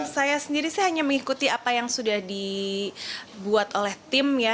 saya sendiri sih hanya mengikuti apa yang sudah dibuat oleh tim ya